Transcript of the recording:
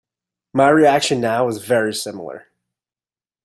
My reaction now was very similar.